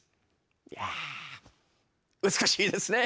いや美しいですね。